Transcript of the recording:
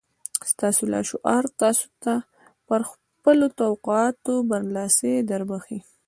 ستاسې لاشعور تاسې ته پر خپلو توقعاتو برلاسي دربښي